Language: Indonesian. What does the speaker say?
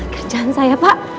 kerjaan saya pak